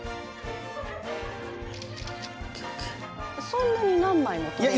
そんなに何枚も撮る？